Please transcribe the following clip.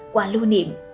qua lưu niệm